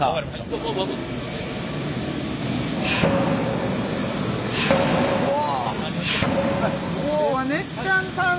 うわ。